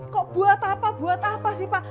kok buat apa buat apa sih pak